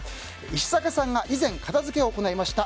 石阪さんが以前片づけを行いました